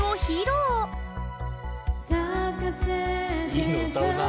いいの歌うなあ。